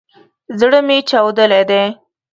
زړه مي چاودلی دی